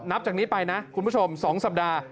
นับจากนี้ไปนะคุณผู้ชม๒สัปดาห์